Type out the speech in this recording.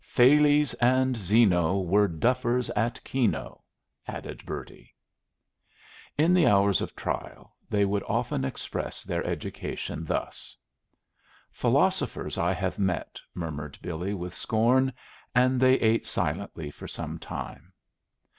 "Thales and Zeno Were duffers at keno," added Bertie. In the hours of trial they would often express their education thus. "Philosophers I have met," murmured Billy, with scorn And they ate silently for some time.